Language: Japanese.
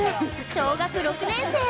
小学６年生。